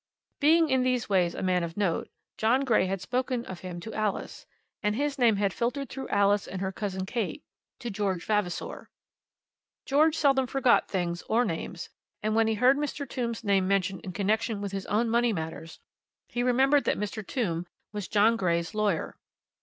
Being in these ways a man of note, John Grey had spoken of him to Alice, and his name had filtered through Alice and her cousin Kate to George Vavasor. George seldom forgot things or names, and when he heard Mr. Tombe's name mentioned in connection with his own money matters, he remembered that Mr. Tombe was John Grey's lawyer.